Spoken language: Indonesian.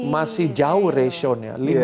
masih jauh ratio nya